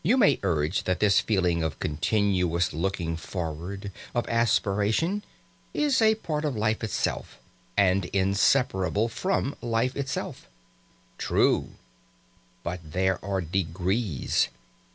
You may urge that this feeling of continuous looking forward, of aspiration, is part of life itself, and inseparable from life itself. True! But there are degrees.